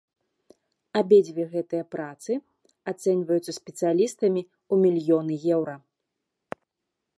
Абедзве гэтыя працы ацэньваюцца спецыялістамі ў мільёны еўра.